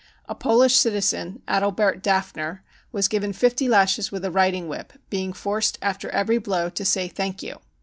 A Polish citizen, Adalbert Dafner, was given 50 lashes with a riding whip, being forced after every blow to say 4 Thank you.